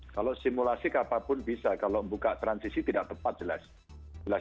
kalau simulasi ke apapun bisa kalau membuka transisi tidak tepat jelas